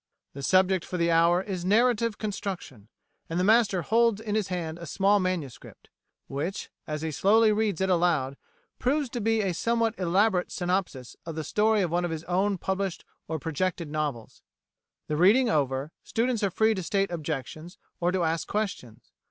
The subject for the hour is narrative construction, and the master holds in his hand a small MS. which, as he slowly reads it aloud, proves to be a somewhat elaborate synopsis of the story of one of his own published or projected novels. The reading over, students are free to state objections, or to ask questions.